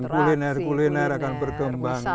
kuliner kuliner akan berkembang